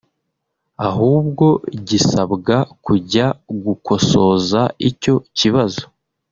ahubwo gisabwa kujya gukosoza icyo kibazo